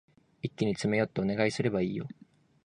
一気に詰め寄ってお願いすればいいよ。